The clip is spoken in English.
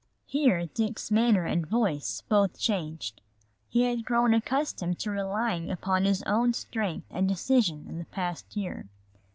Here Dick's manner and voice both changed. He had grown accustomed to relying upon his own strength and decision in the past year.